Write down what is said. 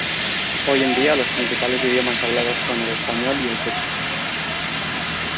Hoy en día los principales idiomas hablados son el español y el quechua.